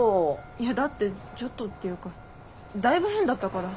いやだってちょっとっていうかだいぶ変だったから。